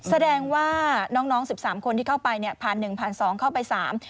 แสดงว่าน้อง๑๓คนที่เข้าไปเนี่ยพันหนึ่งพันสองเข้าไปสาม